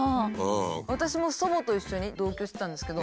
私も祖母と一緒に同居してたんですけど